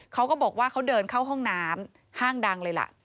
เขาก็บอกว่าเขาเดินเข้าห้องน้ำห้างดังเลยล่ะ